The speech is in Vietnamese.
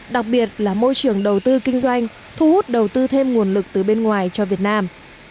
đặc biệt là môi trường đầu tư kinh doanh thu hút đầu tư thêm nguồn lực từ bên ngoài cho việt nam